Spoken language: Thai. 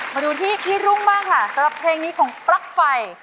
มาดูที่พี่รุ่งบ้างค่ะสำหรับเพลงนี้ของปลั๊กไฟ